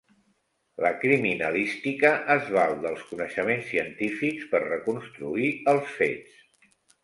La criminalística es val dels coneixements científics per reconstruir els fets.